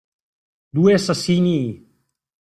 Due assassinii!